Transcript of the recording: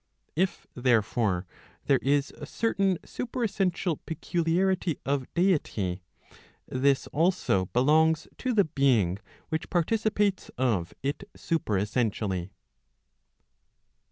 If, therefore, there is a certain superessential peculiarity of deity, this also belongs to the being which participates of it superessentially.